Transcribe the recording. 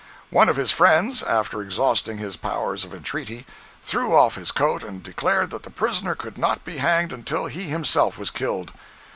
One of his friends, after exhausting his powers of entreaty, threw off his coat and declared that the prisoner could not be hanged until he himself was killed.